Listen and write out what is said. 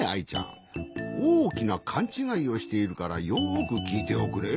おおきなかんちがいをしているからよくきいておくれ。